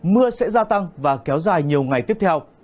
mưa sẽ gia tăng và kéo dài nhiều ngày tiếp theo